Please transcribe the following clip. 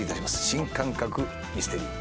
新感覚ミステリー